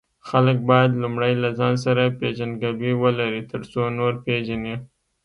خلک باید لومړی له ځان سره پیژندګلوي ولري، ترڅو نور پیژني.